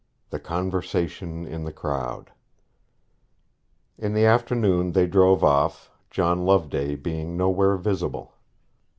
THE CONVERSATION IN THE CROWD In the afternoon they drove off, John Loveday being nowhere visible.